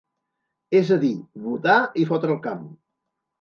És a dir, votar i fotre el camp.